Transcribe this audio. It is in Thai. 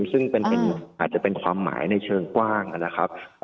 ซึ่งอาจจะเป็นความหมายในเชิงกว้างนะครับ